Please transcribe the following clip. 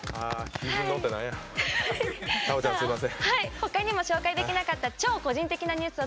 ほかにも紹介できなかった超個人的なニュースを